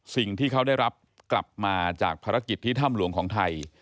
สิ่งที่เขาได้รับกลับมาจากภารกิจที่ถ้ำหลวงของไทย